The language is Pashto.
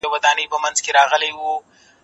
زه به سبا د کتابتون کتابونه لوستل کوم؟